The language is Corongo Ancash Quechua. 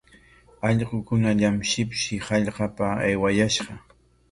Ullqukunallam shipshi hallqapa aywayashqa.